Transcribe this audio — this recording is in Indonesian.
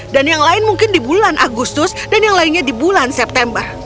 dan yang lain mungkin di bulan agustus dan yang lainnya di bulan september